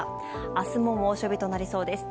明日も猛暑日となりそうです。